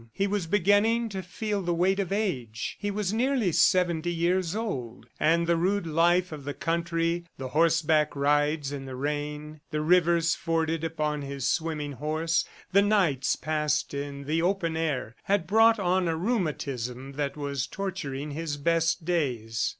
He was beginning to feel the weight of age. He was nearly seventy years old, and the rude life of the country, the horseback rides in the rain, the rivers forded upon his swimming horse, the nights passed in the open air, had brought on a rheumatism that was torturing his best days.